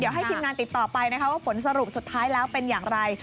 เดี๋ยวให้ทีมงานติดต่อไปนะคะว่าผลสรุปสุดท้ายแล้วเป็นอย่างไร